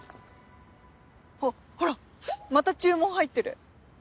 あっほらまた注文入ってる。